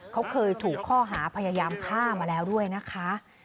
เขาเคยถูกข้อหาพยายามฆ่ามาแล้วด้วยนะคะ